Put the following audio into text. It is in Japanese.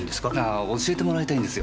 あ教えてもらいたいんですよ